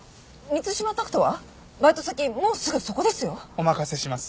お任せします。